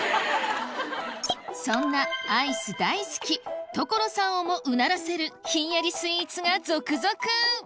そんなアイス大好き所さんをもうならせるひんやりスイーツが続々！